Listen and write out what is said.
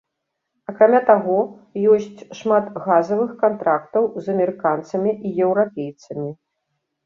Акрамя таго, ёсць шмат газавых кантрактаў з амерыканцамі і еўрапейцамі.